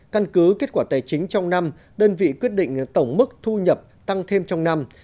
căn cứ kết quả tài chính trong năm đơn vị quyết định tổng mức thu nhập tăng thêm trong năm